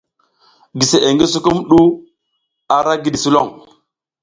Giseʼe ngi sukumɗu ara gidi sulon.